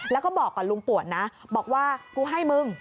แล้วก็บอกกับลุงปวดนะบอกว่ากูให้มึง